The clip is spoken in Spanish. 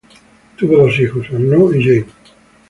Tuvo dos hijos: Arnaud y Jean.